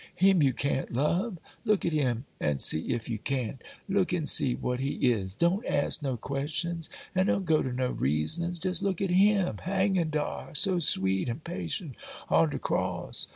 —Him you can't love? Look at Him, an' see ef you can't. Look an' see what He is!—don't ask no questions, and don't go to no reasonin's,—jes' look at Him, hangin' dar, so sweet and patient, on de cross!